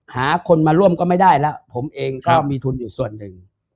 หาคนมาร่วมก็ไม่ได้แล้วผมเองก็มีทุนอยู่ส่วนหนึ่ง